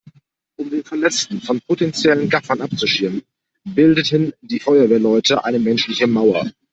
Um den Verletzten von potenziellen Gaffern abzuschirmen, bildeten die Feuerwehrleute eine menschliche Mauer.